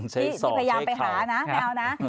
ใช้ส่องใช้ขาวที่พยายามไปหานะไม่เอานะ